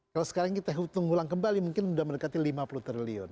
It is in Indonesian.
kalau sekarang kita hitung ulang kembali mungkin sudah mendekati lima puluh triliun